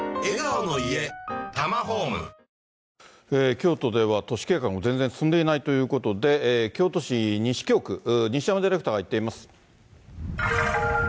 京都では、都市計画も全然進んでいないということで、京都市西京区、西山ディレクターが行っています。